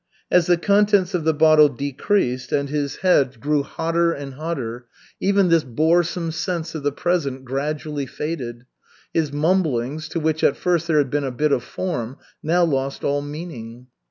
As the contents of the bottle decreased and his head grew hotter and hotter, even this boresome sense of the present gradually faded. His mumblings, to which at first there had been a bit of form, now lost all meaning.